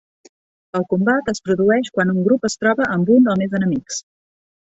El combat es produeix quan un grup es troba amb un o més enemics.